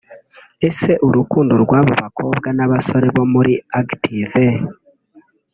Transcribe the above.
Ese urukundo rw’abo bakobwa n’abasore bo muri Active